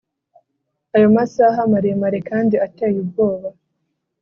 ayo masaha maremare kandi ateye ubwoba